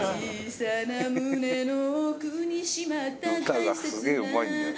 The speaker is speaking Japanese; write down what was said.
歌がすげえうまいんだよな。